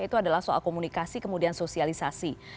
itu adalah soal komunikasi kemudian sosialisasi